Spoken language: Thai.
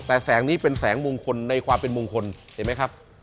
แต่แสงนี้เป็นแสงมงคลในความเป็นมงคลเห็นไหมครับ